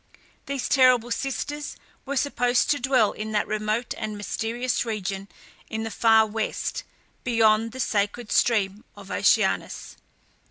These terrible sisters were supposed to dwell in that remote and mysterious region in the far West, beyond the sacred stream of Oceanus.